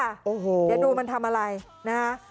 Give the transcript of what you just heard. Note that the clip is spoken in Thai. เดี๋ยวดูมันทำอะไรนะฮะ